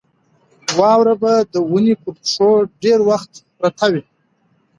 واوره به د ونې پر پښو ډېر وخت پرته وي.